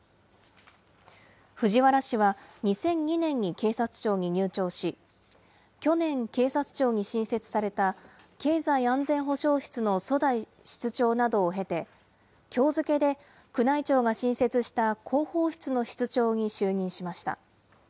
藤原氏は、２００２年に警察庁に入庁し、去年、警察庁に新設された経済安全保障室の初代室長などを経て、きょう付けで、宮内庁が新設した広報室の室長に就任しました。